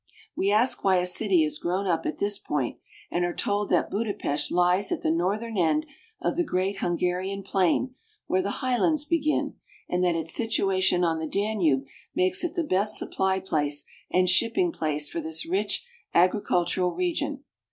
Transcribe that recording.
We ask why a city has grown up at this point, and are told that Budapest lies at the northern end of the great Hungarian plain where the highlands begin, and that its situation on the Danube makes it the best supply place and shipping place for this rich agricultural region.